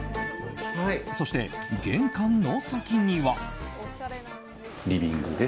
そして玄関の先には。